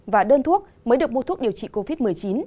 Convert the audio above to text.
và đơn thuốc mới được mua thuốc điều trị covid một mươi chín